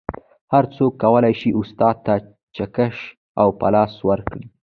هر څوک کولی شي استاد ته چکش او پلاس ورکړي